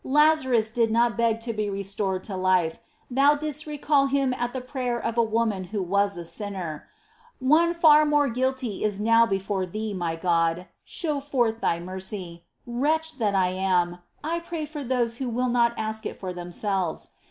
Lazarus did not beg to be restored to life — Thou didst recall him at the prayer of a woman who was a sinner :' One far more guilty is now before Thee, my God : show forth Thy mercy ! Wretch that I am, I pray for those who will not ask it for themselves.